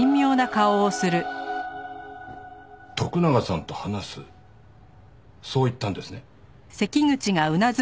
徳永さんと話すそう言ったんですね？